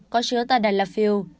có chứa tadalafil